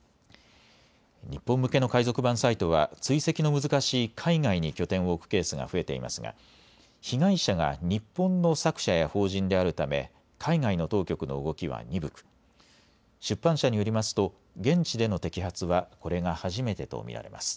日本向けの海賊版サイトは追跡の難しい海外に拠点を置くケースが増えていますが被害者が日本の作者や法人であるため、海外の当局の動きは鈍く出版社によりますと現地での摘発はこれが初めてと見られます。